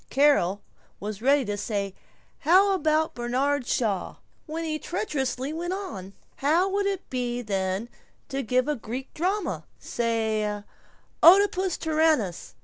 Carol was ready to say, "How about Bernard Shaw?" when he treacherously went on, "How would it be then to give a Greek drama say 'Oedipus Tyrannus'?"